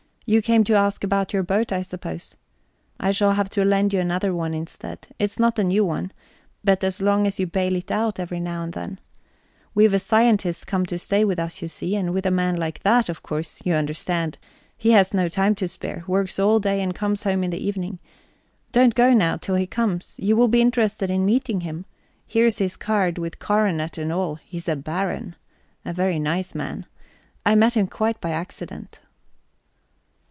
You came to ask about your boat, I suppose? I shall have to lend you another one instead. It's not a new one, but as long as you bail it out every now and then ... We've a scientist come to stay with us, you see, and with a man like that, of course, you understand... He has no time to spare; works all day and comes home in the evening. Don't go now till he comes; you will be interested in meeting him. Here's his card, with coronet and all; he's a Baron. A very nice man. I met him quite by accident."